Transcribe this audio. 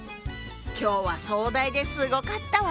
今日は壮大ですごかったわね。